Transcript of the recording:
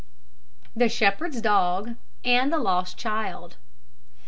THE SHEPHERD'S DOG AND THE LOST CHILD.